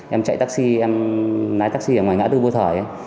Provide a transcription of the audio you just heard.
em chạy taxi em lái taxi ở ngoài ngã tư vô thời